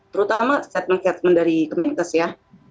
terutama statement statement dari kemenkes ya